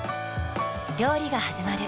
料理がはじまる。